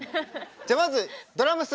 じゃあまずドラムス。